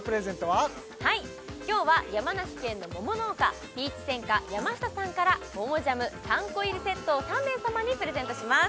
はい今日は山梨県の桃農家ピーチ専科ヤマシタさんから桃ジャム３個入りセットを３名様にプレゼントします